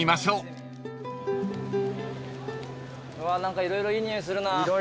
うわ何か色々いい匂いするな。